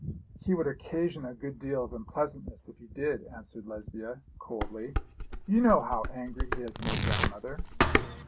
'He would occasion a good deal of unpleasantness if he did,' answered Lesbia, coldly. 'You know how angry he has made grandmother.'